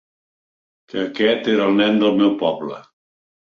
Que aquest era el nen del meu poble.